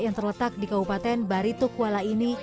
yang terletak di kabupaten baritokwala ini